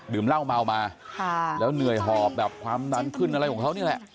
ดื่มเหล้าเมามาแล้วเหนื่อยหอบความนั้นขึ้นอะไรของเขา